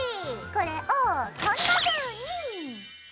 これをこんなふうに！